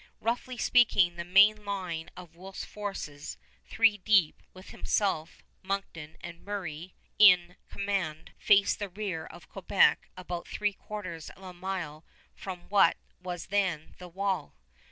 Roughly speaking, the main line of Wolfe's forces, three deep, with himself, Monckton, and Murray in command, faced the rear of Quebec about three quarters of a mile from what was then the wall.